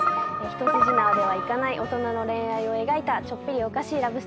一筋縄ではいかない大人の恋愛を描いたちょっぴりおかしいラブストーリーです。